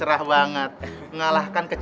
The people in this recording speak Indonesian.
eh bangkuan men